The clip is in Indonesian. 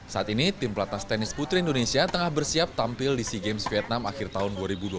saat ini tim pelatnas tenis putri indonesia tengah bersiap tampil di sea games vietnam akhir tahun dua ribu dua puluh